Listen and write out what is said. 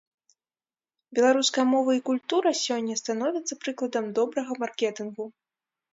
Беларуская мова і культура сёння становяцца прыкладам добрага маркетынгу.